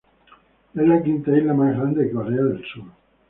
Es la quinta isla más grande de Corea del Sur.